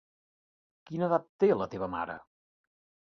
Quina edat té la teva mare?